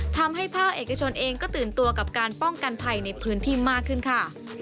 ทำให้ภาคเอกชนเองก็ตื่นตัวกับการป้องกันภัยในพื้นที่มากขึ้นค่ะ